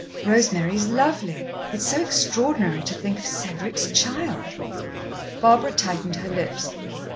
"Rosemary is lovely. It's so extraordinary to think of Cedric's child!" Barbara tightened her lips.